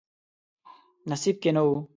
نصیب کې نه و.